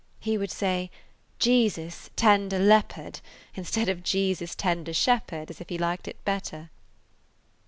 He would say, 'Jesus, tender leopard,' instead of 'Jesus, tender shepherd,' as if he liked it better."